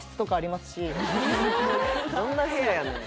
どんな部屋やねん